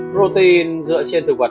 protein dựa trên thực vật